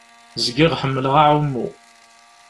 Zgiɣ ḥemmleɣ aɛummu.